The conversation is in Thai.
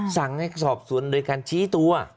สั่งให้สอบสวนโดยการชี้ตัว